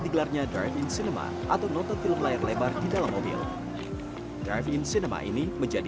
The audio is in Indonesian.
digelarnya driving cinema atau notatif layar lebar di dalam mobil driving cinema ini menjadi